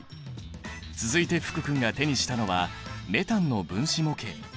続いて福君が手にしたのはメタンの分子模型。